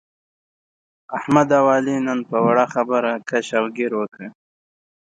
احمد او علي نن په وړه خبره کش او ګیر وکړ.